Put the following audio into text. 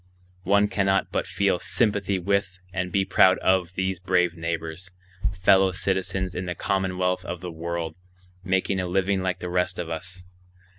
One cannot but feel sympathy with and be proud of these brave neighbors, fellow citizens in the commonwealth of the world, making a living like the rest of us.